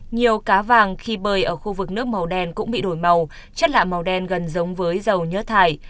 nhiều cá vàng khi bơi ở khu vực nước màu đen cũng bị đổi màu chất lạ màu đen gần giống với dầu nhớt thải